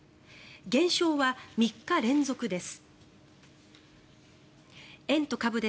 減少は３日連続です。